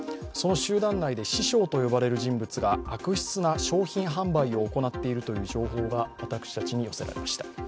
その集団内で師匠と呼ばれる人物が悪質な商品販売を行っているという情報が私たちに寄せられました。